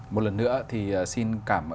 một lần nữa thì xin cảm ơn tiến sĩ trần toàn thẳng